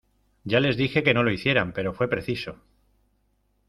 Yo les dije que no lo hicieran pero fué preciso.